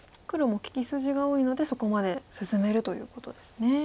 黒も利き筋が多いのでそこまで進めるということですね。